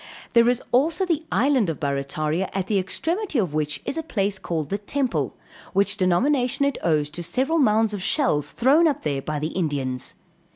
There is also the island of Barrataria, at the extremity of which is a place called the Temple, which denomination it owes to several mounds of shells thrown up there by the Indians.